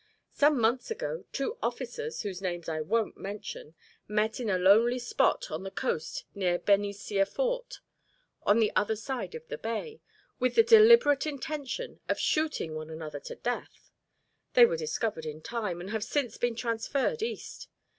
Some months ago two officers whose names I won't mention met in a lonely spot on the coast near Benicia Fort, on the other side of the bay, with the deliberate intention of shooting one another to death. They were discovered in time, and have since been transferred East.